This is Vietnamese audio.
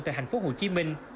tại thành phố hồ chí minh